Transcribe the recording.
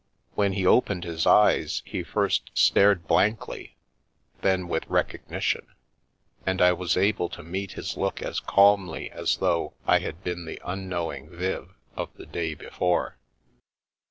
When he opened his eyes he first stared blankly, then with recognition, and I was able to meet his look as calmly as though I had been the unknowing Viv of the day before.